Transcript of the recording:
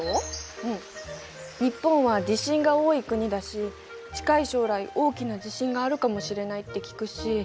うん日本は地震が多い国だし近い将来大きな地震があるかもしれないって聞くし。